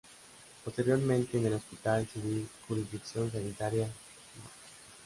Posteriormente en el Hospital Civil Jurisdicción Sanitaria No.